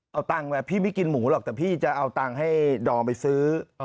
เอาตังค์มาพี่ไม่กินหมูหรอกแต่พี่จะเอาตังค์ให้ดอมไปซื้อ